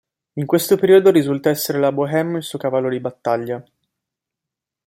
In questo periodo risulta esser la Bohème il suo cavallo di battaglia.